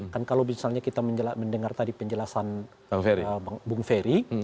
kan kalau misalnya kita mendengar tadi penjelasan bung ferry